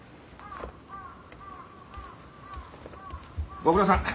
ご苦労さん。